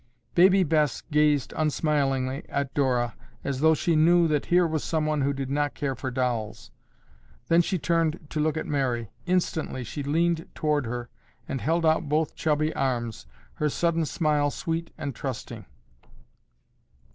Baby Bess gazed unsmilingly at Dora as though she knew that here was someone who did not care for dolls, then she turned to look at Mary. Instantly she leaned toward her and held out both chubby arms, her sudden smile sweet and trusting.